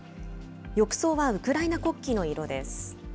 浴槽はウクライナ国旗の色です。